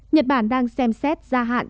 nhật bản đang xem xét gia hạn